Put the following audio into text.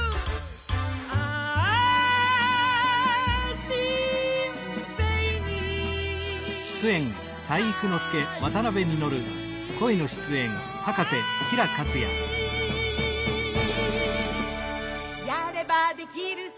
「あぁ、人生に体育あり」「やればできるさ